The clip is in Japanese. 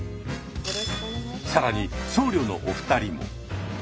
更に僧侶のお二人も。